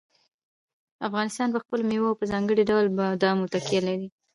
افغانستان په خپلو مېوو او په ځانګړي ډول بادامو تکیه لري.